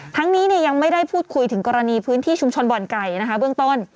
นี้ยังไม่ได้พูดคุยถึงกรณีพื้นที่ชุมชนบ่อนไก่นะคะเบื้องต้น